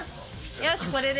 よしこれで。